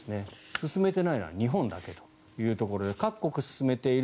進めていないのは日本だけというところで各国、進めている。